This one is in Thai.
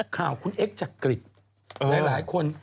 ข่าวคุณเอ็กจักริตหลายคน